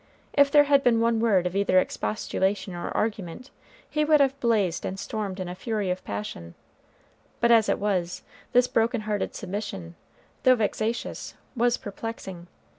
If there had been one word of either expostulation or argument, he would have blazed and stormed in a fury of passion; but as it was, this broken hearted submission, though vexatious, was perplexing.